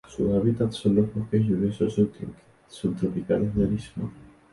Su hábitat son los bosques lluviosos subtropicales de Lismore.